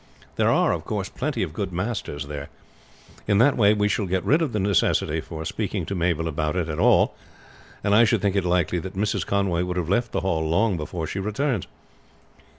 There are, of course, plenty of good masters there. In that way we shall get rid of the necessity for speaking to Mabel about it at all, and I should think it likely that Mrs. Conway would have left the Hall long before she returns."